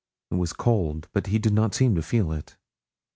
It was cold, but he did not seem to feel it.